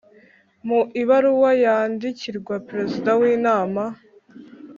mu ibaruwa yandikirwa Perezida w Inama